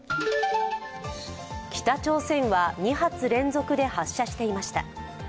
北朝鮮は２発連続で発射していました。